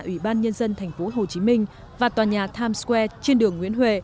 ủy ban nhân dân thành phố hồ chí minh và tòa nhà times square trên đường nguyễn huệ